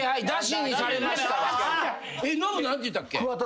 ノブ何て言ったっけ？